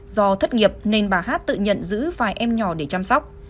do thất nghiệp nên bà hát tự nhận giữ vài em nhỏ để chăm sóc